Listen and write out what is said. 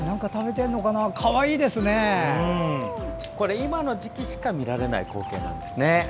これ、今の時期しか見られない光景なんですね。